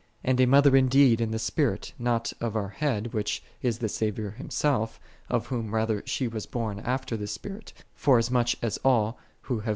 And a mother indeed in the Spirit, not of our Head, Which is the Saviour Himself, of Whom rather she was born after the Spirit: forasmuch as all, who Matt.